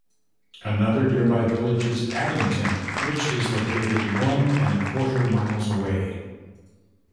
Another nearby village is Addington, which is located one and a quarter miles away.